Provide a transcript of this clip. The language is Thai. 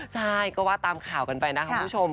ใช่ก็ว่าตามข่าวกันไปนะครับคุณผู้ชม